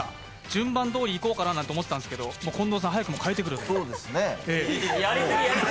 順番どおりいこうかなと思っていたんですけど、近藤さん、早くもかえてくる。